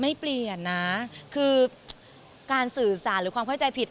ไม่เปลี่ยนนะคือการสื่อสารหรือความเข้าใจผิด